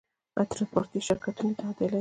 آیا ټرانسپورټي شرکتونه اتحادیه لري؟